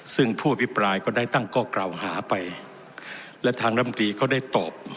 ซึ่งผู้อภิปรายก็ได้ตั้งข้อกล่าวหาไปและทางร่ำตีก็ได้ตอบ